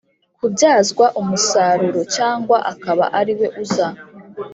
kubyazwa umusaruro cyangwa akaba ari we uza